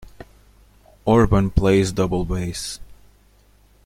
Orban plays double bass.